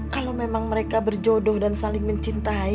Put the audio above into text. kalau memang mereka berjodoh dan saling mencintai